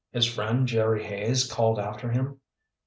his friend, Jerry Hayes, called after him.